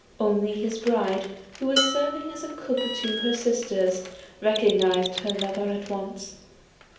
Only his bride, who was serving as cook to her sisters, recognised her lover at once.